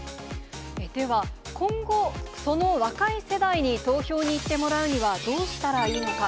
では、今後、その若い世代に投票に行ってもらうには、どうしたらいいのか。